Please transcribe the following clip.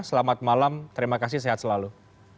selamat malam terima kasih sehat selalu